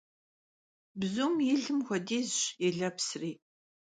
Bzum yi lım xuedeş yi lepsri.